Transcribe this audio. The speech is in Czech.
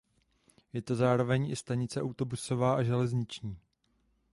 Je to zároveň i stanice autobusová a železniční.